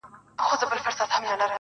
• د پامیر لوري یه د ښکلي اریانا لوري.